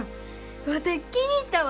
ワテ気に入ったわ！